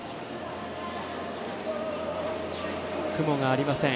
雲がありません。